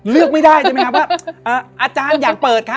เลือกไม่ได้ใช่ไหมครับว่าอาจารย์อยากเปิดครับ